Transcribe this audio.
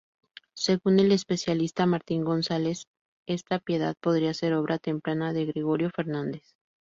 Según el especialista Martín González, esta Piedad podría ser obra temprana de Gregorio Fernández.